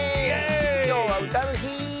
きょうはうたのひ！